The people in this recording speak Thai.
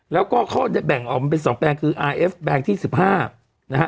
แล้วก็เขาจะแบ่งออกมาเป็น๒แปลงคืออาร์เอฟแปลงที่๑๕นะฮะ